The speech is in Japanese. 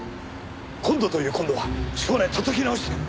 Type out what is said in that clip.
今度という今度は性根叩き直してやる！